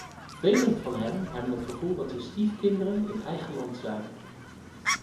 Velen van hen hebben het gevoel dat ze stiefkinderen in eigen land zijn.